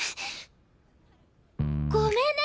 ごめんね！